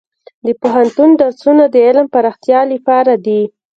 د پوهنتون درسونه د علم پراختیا لپاره دي.